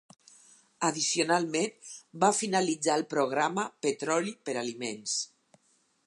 Addicionalment, va finalitzar el programa Petroli per Aliments.